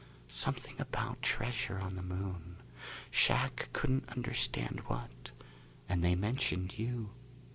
"Something about treasure on the Moon. Shac couldn't understand what. And they mentioned you.